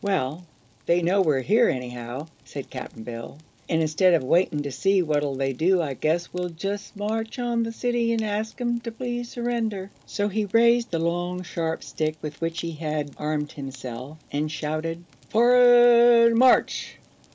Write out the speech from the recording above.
"Well, they know we're here, anyhow," said Cap'n Bill, "and instead of waitin' to see what'll they do I guess we'll jus' march on the City an' ask 'em to please surrender." So he raised the long sharp stick with which he had armed himself and shouted: "For rerd march!"